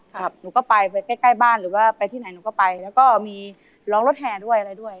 หนูก็ไปไปใกล้ใกล้บ้านหรือว่าไปที่ไหนหนูก็ไปแล้วก็มีร้องรถแห่ด้วยอะไรด้วย